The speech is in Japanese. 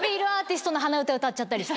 歌っちゃったりして。